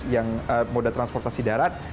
yang moda transportasi darat